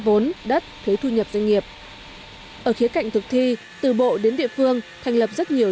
vốn đất thuế thu nhập doanh nghiệp ở khía cạnh thực thi từ bộ đến địa phương thành lập rất nhiều